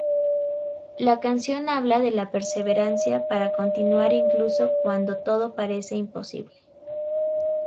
La canción habla de la perseverancia para continuar incluso cuando todo parece imposible.